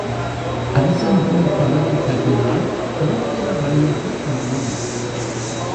அரசன் போய்க் கதவைத் தட்டினால் திறக்கிற வழியாகக் காணோம்.